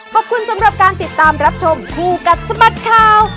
ขอบคุณสำหรับการติดตามรับชมคู่กัดสะบัดข่าว